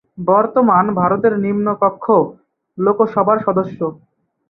বর্তমান ভারতের নিম্ন কক্ষ লোকসভার সদস্য।